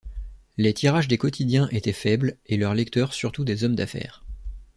Les tirages des quotidiens étaient faibles et leurs lecteurs surtout des hommes d'affaires.